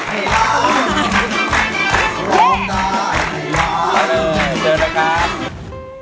เจอแล้วกัน